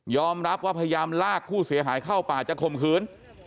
รับว่าพยายามลากผู้เสียหายเข้าป่าจะข่มขืน